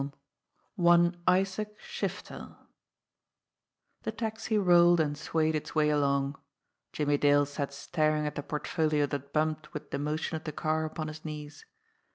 Ill ONE ISAAC SHIFTEL THE taxi rolled and swayed its way along. Jimmie Dale sat staring at the portfolio that bumped with the motion of the car upon his knees.